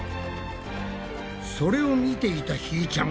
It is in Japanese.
それを見ていたひーちゃん。